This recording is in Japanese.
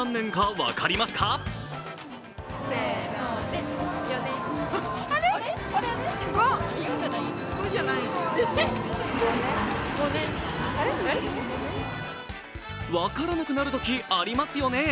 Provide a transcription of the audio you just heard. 分からなくなるときありますよね。